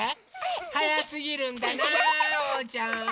はやすぎるんだなおうちゃん！